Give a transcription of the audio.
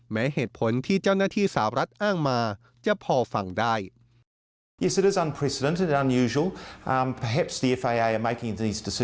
แม้เหตุผลที่เจ้าหน้าที่สาวรัฐอ้างมาจะพอฟังได้